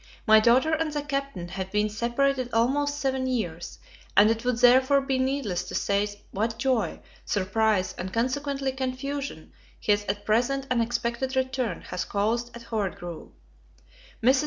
My daughter and the Captain have been separated almost seven years, and it would therefore be needless to say what joy, surprise, and consequently confusion, his at present unexpected return has caused at Howard Grove. Mrs.